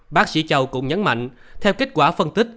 bác sĩ châu cũng nhấn mạnh theo kết quả phân tích